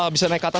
bisa naik ke atas